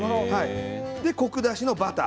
そしてコク出しのバター。